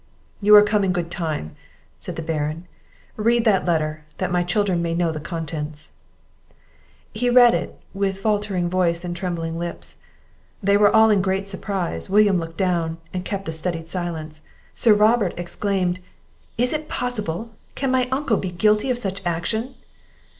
"You are come in good time," said the Baron. "Read that letter, that my children may know the contents." He read it, with faultering voice, and trembling limbs. They were all in great surprise. William looked down, and kept a studied silence. Sir Robert exclaimed "Is it possible? can my uncle be guilty of such an action?"